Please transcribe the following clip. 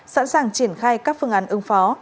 sẵn sàng triển khai các phương án ứng phó